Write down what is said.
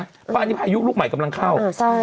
เพราะอันนี้พายุลูกใหม่กำลังเข้า